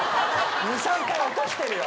２３玉落としてるよ！